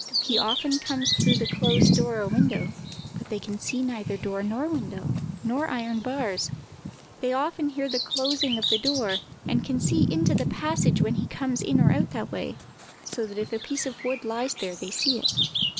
He often comes through the closed door or window, but they can then see neither door nor window, nor iron bars; they often hear the closing of the door, and can see into the passage when he comes in or out that way, so that if a piece of wood lies there they see it.